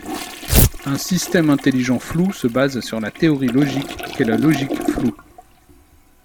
Un système intelligent flou se base sur la théorie logique qu'est la logique floue.